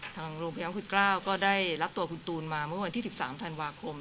ทางโรงพยาบาลคุณเกล้าก็ได้รับตัวคุณตูนมาเมื่อวันที่๑๓ธันวาคม